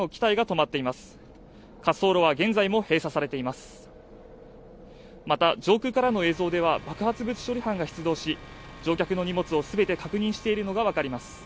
また上空からの映像では爆発物処理班が出動し乗客の荷物をすべて確認しているのが分かります